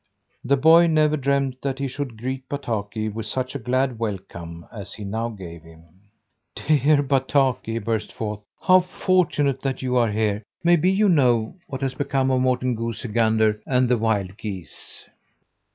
The boy never dreamed that he should greet Bataki with such a glad welcome as he now gave him. "Dear Bataki," he burst forth. "How fortunate that you are here! Maybe you know what has become of Morten Goosey Gander and the wild geese?"